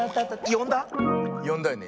よんだよね？